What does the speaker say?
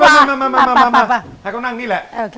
มาให้เขานั่งนี่แหละ